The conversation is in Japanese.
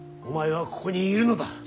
お前はここにいるのだ。